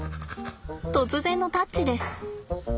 突然のタッチです。